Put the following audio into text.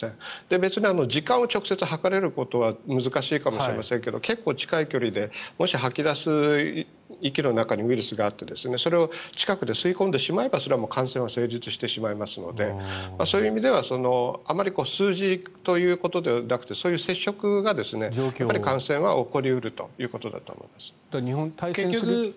別で時間を直接計れることは難しいかもしれませんが結構、近い距離でもし、吐き出す息の中にウイルスがあってそれを近くで吸い込んでしまえばそれは感染は成立してしまいますのでそういう意味ではあまり数字ということではなくてそういう接触が感染は起こり得るということだと思います。